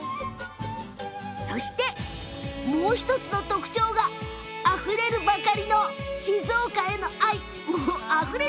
そして、もう１つの特徴があふれるばかりの静岡愛。